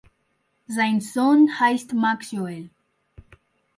Sein Sohn heißt Max Joel.